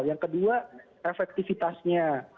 yang kedua efektivitasnya